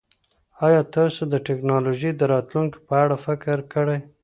ایا تاسو د ټکنالوژۍ د راتلونکي په اړه فکر کړی؟